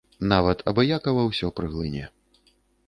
Нябыт абыякава ўсё праглыне.